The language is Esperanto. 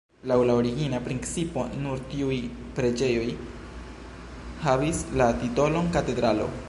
Laŭ la origina principo, nur tiuj preĝejoj havis la titolon katedralo.